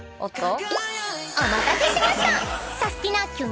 ［お待たせしました！］